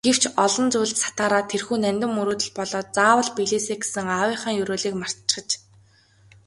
Гэвч олон зүйлд сатаараад тэрхүү нандин мөрөөдөл болоод заавал биелээсэй гэсэн аавынхаа ерөөлийг мартчихаж.